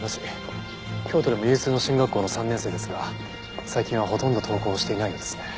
京都でも有数の進学校の３年生ですが最近はほとんど登校していないようです。